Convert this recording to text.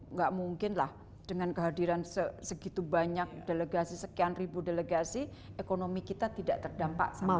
nggak mungkin lah dengan kehadiran segitu banyak delegasi sekian ribu delegasi ekonomi kita tidak terdampak sama sekali